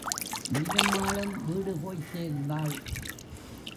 வீரம்மாளும் வீடு போய்ச் சேர்ந்தாள்.